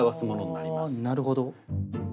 あなるほど。